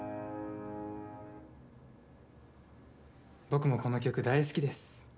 僕もこの曲、大好きです。